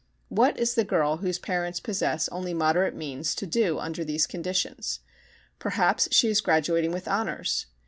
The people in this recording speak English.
What is the girl whose parents possess only moderate means to do under these conditions? Perhaps she is graduating with honors.